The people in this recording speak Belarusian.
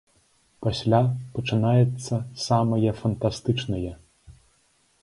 Пасля пачынаецца самае фантастычнае.